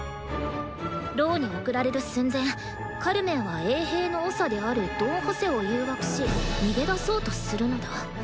「牢に送られる寸前カルメンは衛兵の長であるドン・ホセを誘惑し逃げ出そうとするのだ」。